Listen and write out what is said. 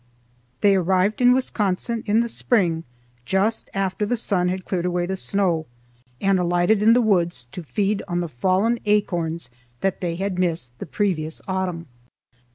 They arrived in Wisconsin in the spring just after the sun had cleared away the snow, and alighted in the woods to feed on the fallen acorns that they had missed the previous autumn.